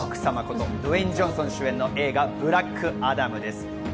ドウェイン・ジョンソン主演の映画『ブラックアダム』です。